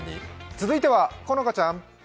続いては好花ちゃん。